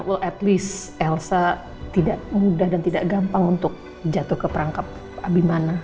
well at least elsa tidak mudah dan tidak gampang untuk jatuh ke perangkap abimana